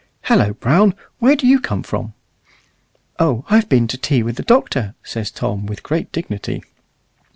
"Hullo, Brown! where do you come from?" "Oh, I've been to tea with the Doctor," says Tom, with great dignity.